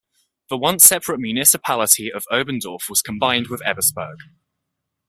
The once separate municipality of Oberndorf was combined with Ebersberg.